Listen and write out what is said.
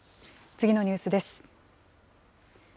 次のニュースです。